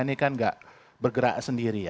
ini kan tidak bergerak sendiri